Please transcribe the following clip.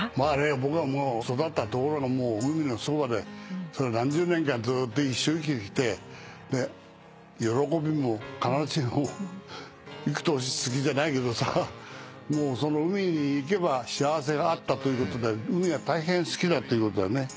僕が育ったところがもう海のそばで何十年間ずっと一緒に生きてきて『喜びも悲しみも幾年月』じゃないけどさもう海に行けば幸せがあったということで海が大変好きだということだね。